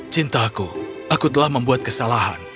cintaku aku telah membuat kesalahan